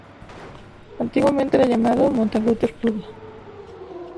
Antiguamente era llamado "Montagut de Fluviá".